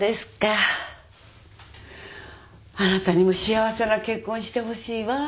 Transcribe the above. あなたにも幸せな結婚してほしいわ。